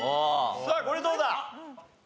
さあこれどうだ？